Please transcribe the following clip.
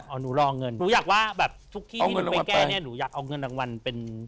เอาหนูรอเงินหนูอยากว่าแบบทุกที่ที่หนูไปแก้เนี่ยหนูอยากเอาเงินรางวัลเป็น